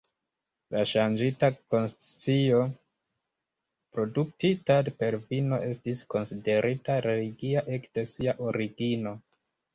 La ŝanĝita konscio produktita per vino estis konsiderita religia ekde sia origino.